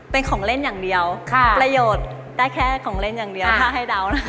เป็นของเล่นอย่างเดียวประโยชน์ได้แค่ของเล่นอย่างเดียวถ้าให้เดานะ